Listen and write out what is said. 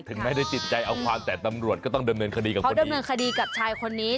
ถึงไม่ได้ติดใจเอาความแต่ตำรวจก็ต้องเดินเมินคดีกับคนนี้